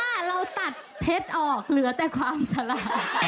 ถ้าเราตัดเพชรออกเหลือแต่ความฉลาด